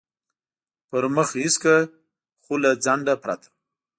پر مخ حس کړ، خو له ځنډه پرته.